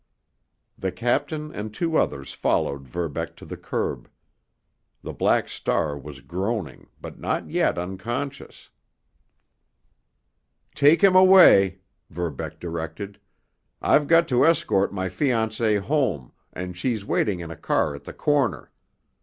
The captain and two others followed Verbeck to the curb. The Black Star was groaning, but not yet conscious. "Take him away," Verbeck directed. "I've got to escort my fiancée home, and she's waiting in a car at the corner.